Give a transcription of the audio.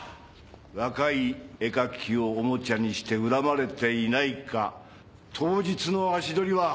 若い絵描きをオモチャにして恨まれていないか当日の足どりは？